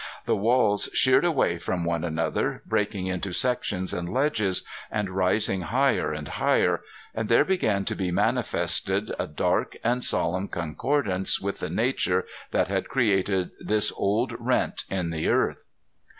The walls sheered away from one another, breaking into sections and ledges, and rising higher and higher, and there began to be manifested a dark and solemn concordance with the nature that had created this old rent in the earth.